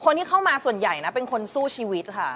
คนที่เข้ามาส่วนใหญ่นะเป็นคนสู้ชีวิตค่ะ